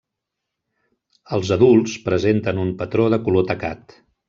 Els adults presenten un patró de color tacat.